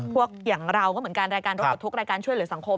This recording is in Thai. พวกอย่างเราก็เหมือนกันรายการรถปลดทุกรายการช่วยเหลือสังคม